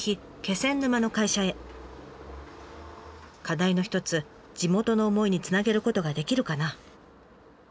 課題の一つ地元の思いにつなげることができるかな？